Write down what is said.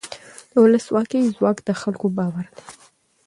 د ولسواکۍ ځواک د خلکو باور دی